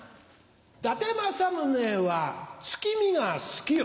伊達政宗は月見が好きよ。